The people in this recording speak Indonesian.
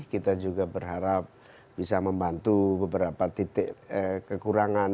kita juga berharap bisa membantu beberapa titik kekurangan